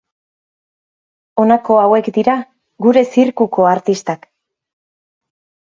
Honako hauek dira Gure Zirkuko artistak.